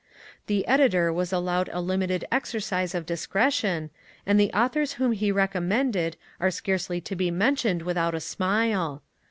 The Editor was allowed a limited exercise of discretion, and the Authors whom he recommended are scarcely to be mentioned without a smile.